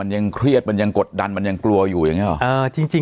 สวัสดีครับทุกผู้ชม